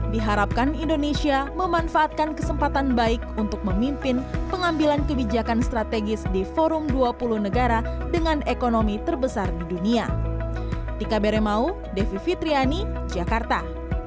diharapkan indonesia memanfaatkan kesempatan baik untuk memimpin pengambilan kebijakan strategis di forum dua puluh negara dengan ekonomi terbesar di dunia